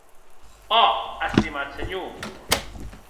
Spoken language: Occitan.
Ò, estimat senhor!